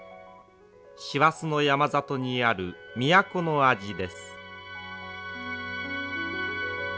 師走の山里にある都の味です。